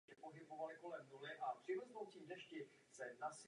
Myslím, že nadešel čas na změnu kurzu.